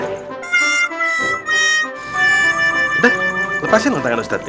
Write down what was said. udah lepasin tangan ustaz ya